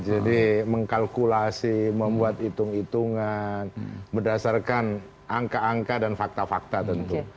jadi mengkalkulasi membuat hitung hitungan berdasarkan angka angka dan fakta fakta tentu